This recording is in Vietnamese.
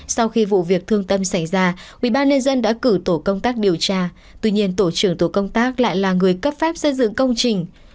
sau khi vụ việc thương tâm xảy ra ubnd đã cử tổ công tác điều tra tuy nhiên tổ trưởng tổ công tác lại là người cấp phép xây dựng công trình